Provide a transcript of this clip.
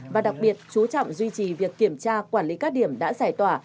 và đặc biệt chú trọng duy trì việc kiểm tra quản lý các điểm đã giải tỏa